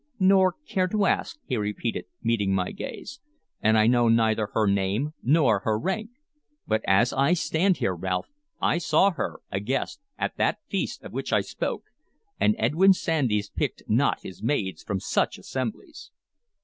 "Nor care to ask," he repeated, meeting my gaze. "And I know neither her name nor her rank. But as I stand here, Ralph, I saw her, a guest, at that feast of which I spoke; and Edwyn Sandys picked not his maids from such assemblies."